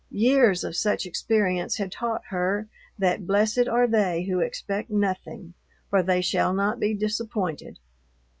Years of such experience had taught her that blessed are they who expect nothing, for they shall not be disappointed.